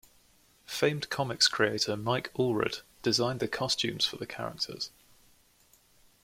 Famed comics creator Mike Allred designed the costumes for the characters.